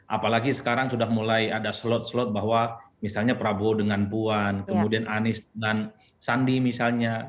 apalagi sekarang sudah mulai ada slot slot bahwa misalnya prabowo dengan puan kemudian anies dan sandi misalnya